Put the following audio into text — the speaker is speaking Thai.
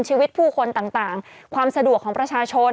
ชีวิตผู้คนต่างความสะดวกของประชาชน